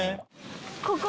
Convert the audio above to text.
ここ！